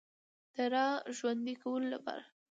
د را ژوندۍ کولو لپاره